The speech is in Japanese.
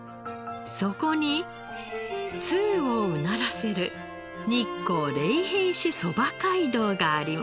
そこに通をうならせる日光例幣使そば街道があります。